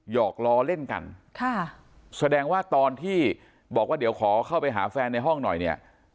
อกล้อเล่นกันค่ะแสดงว่าตอนที่บอกว่าเดี๋ยวขอเข้าไปหาแฟนในห้องหน่อยเนี่ย